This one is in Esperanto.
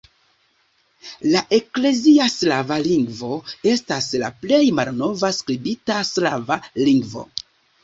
La eklezia slava lingvo estas la plej malnova skribita slava lingvo.